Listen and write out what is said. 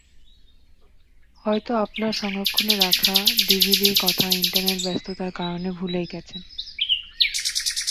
হয়তো আপনার সংরক্ষণে রাখা ডিভিডির কথা ইন্টারনেট ব্যস্ততার কারণে ভুলেই গেছেন।